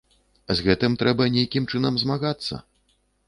З гэтым трэба нейкім чынам змагацца.